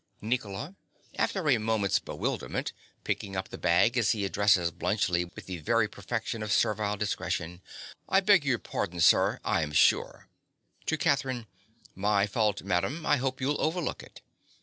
NICOLA. (_after a moment's bewilderment, picking up the bag as he addresses Bluntschli with the very perfection of servile discretion_). I beg your pardon, sir, I am sure. (To Catherine.) My fault, madam! I hope you'll overlook it!